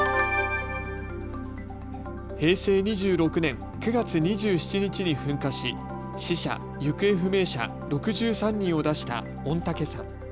平成２６年９月２７日に噴火し死者・行方不明者６３人を出した御嶽山。